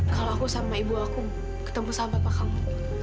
kalau aku sama ibu aku ketemu sama bapak kamu